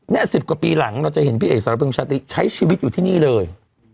๑๐กว่าปีหลังเราจะเห็นพี่เอกสารพึงชาตรีใช้ชีวิตอยู่ที่นี่เลย